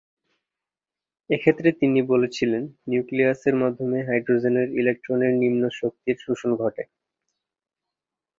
এক্ষেত্রে তিনি বলেছিলেন, নিউক্লিয়াসের মাধ্যমে হাইড্রোজেনের ইলেকট্রনের নিম্ন শক্তির শোষণ ঘটে।